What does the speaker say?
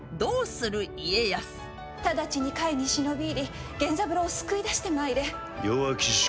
直ちに甲斐に忍び入り源三郎を救い出して参れ。